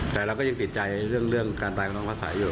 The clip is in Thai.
แต่เราก็ยังติดใจเรื่องการตายของน้องภาษาอยู่